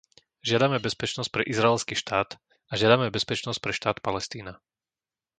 Žiadame bezpečnosť pre Izraelský štát a žiadame bezpečnosť pre štát Palestína.